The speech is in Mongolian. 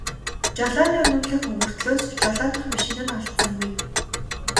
Жолооны үнэмлэх өвөртлөөд ч жолоодох машин нь олдсонгүй.